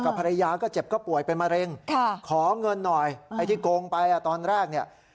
ภรรยาก็เจ็บก็ป่วยเป็นมะเร็งขอเงินหน่อยไอ้ที่โกงไปอ่ะตอนแรกเนี่ย